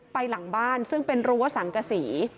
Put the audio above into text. หลังบ้านซึ่งเป็นรั้วสังกษี